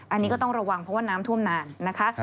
อันนี้ก็ต้องระวังเพราะว่าน้ำท่วมนานนะคะ